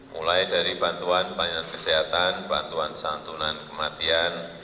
mulai dari bantuan pelayanan kesehatan bantuan santunan kematian